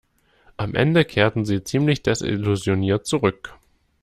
Am Ende kehrten sie ziemlich desillusioniert zurück.